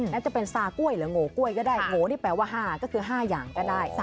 น่าจะเป็นซากล้วยหรือโงกล้วยก็ได้โง่นี่แปลว่า๕ก็คือ๕อย่างก็ได้